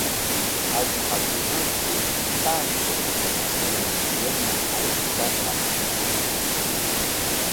Hallqakunatraw taakuq runakunam llama aychata yatrayan.